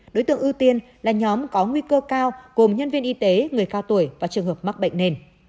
đối tượng ưu tiên là nhóm có nguy cơ cao gồm nhân viên y tế người cao tuổi và trường hợp mắc bệnh nền